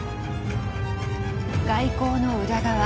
外交の裏側。